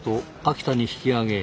秋田に引き揚げ